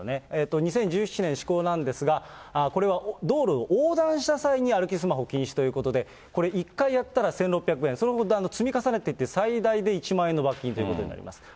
２０１７年施行なんですが、これは道路を横断した際に歩きスマホ禁止ということで、これ、１回やったら１６００円、その後、積み重なっていって、最大で１万円の罰金ということになります。